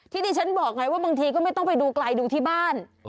ที่ดิฉันบอกไงว่าบางทีก็ไม่ต้องไปดูไกลดูที่บ้าน